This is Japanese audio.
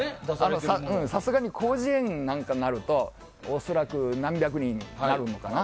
さすがに「広辞苑」になると恐らく何百人になるのかな。